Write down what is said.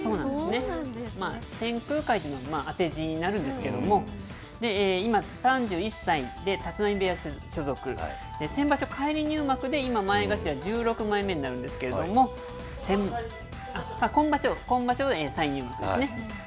てんくうかいと、当て字になるんですけれども、今、３１歳で、立浪部屋所属、先場所、返り入幕で今、前頭１６枚目になるんですけれども、今場所、今場所、再入幕ですね。